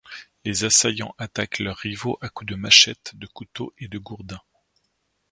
Les assaillants attaquent leurs rivaux à coup de machettes, de couteaux et de gourdins.